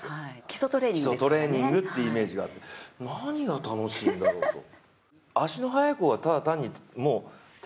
基礎トレーニングってイメージがあって何が楽しいんだろうと。